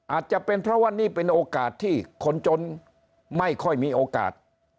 อาจจะเป็นเพราะว่านี่เป็นโอกาสที่คนจนไม่ค่อยมีโอกาส